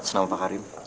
senang martabat karim